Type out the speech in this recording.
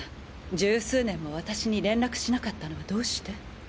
十数年も私に連絡しなかったのはどうして？